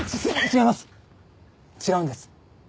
違うんです。